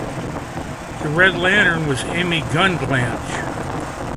The Red Lantern was Amy Gundlach.